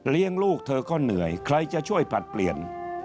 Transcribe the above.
ลูกเธอก็เหนื่อยใครจะช่วยผลัดเปลี่ยน